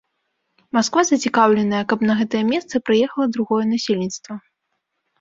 Масква зацікаўленая, каб на гэтае месца прыехала другое насельніцтва.